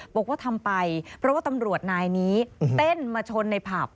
บอกว่าทำไปเพราะว่าตำรวจนายนี้เต้นมาชนในผับ